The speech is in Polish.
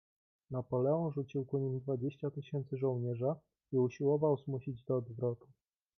"Napoleon rzucił ku nim dwadzieścia tysięcy żołnierza i usiłował zmusić do odwrotu."